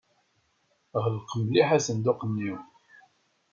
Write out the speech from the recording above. Ɣleq mliḥ asenduq-nni.